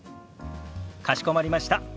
かしこまりました。